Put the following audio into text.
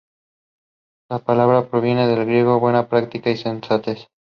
La palabra proviene del griego "buenas prácticas" y "sensatez".